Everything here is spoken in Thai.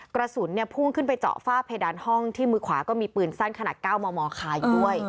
กระสุนพุ่งขึ้นไปเจาะฝ้าเพดานห้องที่มือขวาก็มีปืนสั้นขนาด๙มมคาอยู่ด้วย